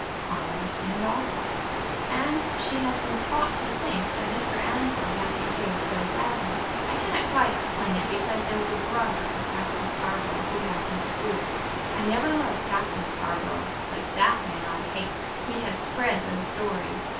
"I understand all that." "And she has been taught to think that Mr. Annesley has behaved very badly. I cannot quite explain it, because there is a brother of Captain Scarborough who has interfered. I never loved Captain Scarborough, but that man I hate. He has spread those stories.